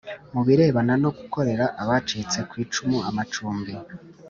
mu birebana no gukorera abacitse ku icumu amacumbi